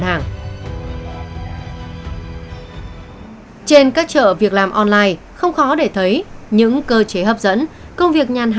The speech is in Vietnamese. nhưng mà thực ra là họ lấy thông tin của mình